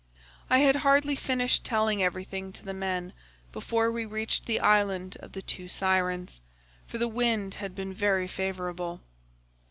"I had hardly finished telling everything to the men before we reached the island of the two Sirens,102 for the wind had been very favourable.